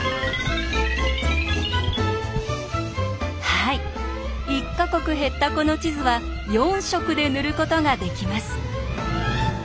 はい１か国減ったこの地図は４色で塗ることができます。